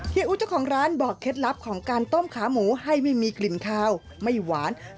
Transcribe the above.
อู๋เจ้าของร้านบอกเคล็ดลับของการต้มขาหมูให้ไม่มีกลิ่นคาวไม่หวาน